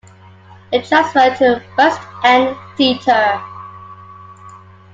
It transferred to a West End theatre.